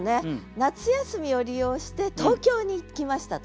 夏休みを利用して東京に行きましたと。